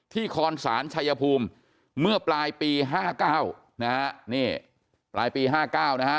คอนศาลชายภูมิเมื่อปลายปี๕๙นะฮะนี่ปลายปี๕๙นะฮะ